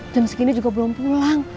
jam segini juga belum pulang